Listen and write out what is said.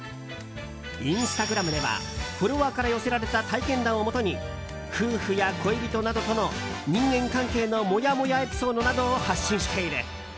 インスタグラムではフォロワーから寄せられた体験談をもとに夫婦や恋人などとの人間関係のモヤモヤエピソードなどを発信している。